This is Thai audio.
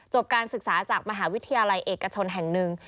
จบการศึกษาจากมหาวิทยาลัยเอกชนแห่ง๑